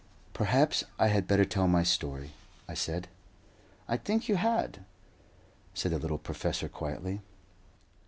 "Perhaps I had better tell my story," I said. "I think you had," said the little professor, quietly.